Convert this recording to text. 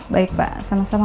baik pak sama sama